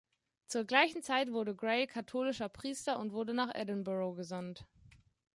Zur gleichen Zeit wurde Gray katholischer Priester und wurde nach Edinburgh gesandt.